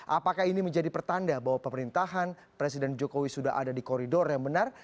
apakah ini menjadi pertanda bahwa pemerintahan presiden jokowi sudah ada di koridor yang benar